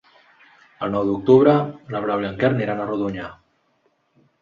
El nou d'octubre na Blau i en Quer aniran a Rodonyà.